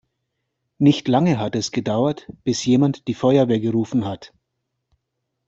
Nicht lange hat es gedauert, bis jemand die Feuerwehr gerufen hat.